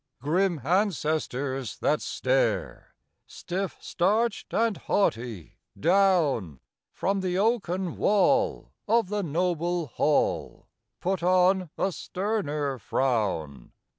Grim ancestors that stare, Stiff, starched and haughty, down From the oaken wall of the noble hall, Put on a sterner frown.